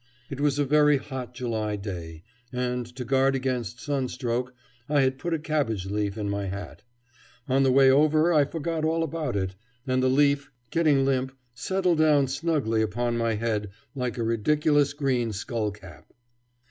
It was a very hot July day, and to guard against sunstroke I had put a cabbage leaf in my hat. On the way over I forgot all about it, and the leaf, getting limp, settled down snugly upon my head like a ridiculous green skullcap.